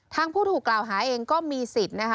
ทางผู้ถูกกล่าวหาเองก็มีสิทธิ์